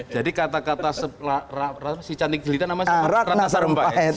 jadi kata kata si cantik jelita namanya rana sarumpait